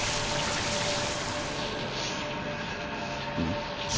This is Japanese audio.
ん？